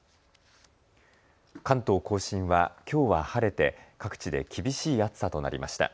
関東甲信はきょうは晴れて各地で厳しい暑さとなりました。